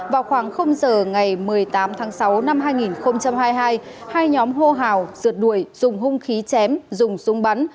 vào khoảng giờ ngày một mươi tám tháng sáu năm hai nghìn hai mươi hai hai nhóm hô hào dượt đuổi dùng hung khí chém dùng súng bắn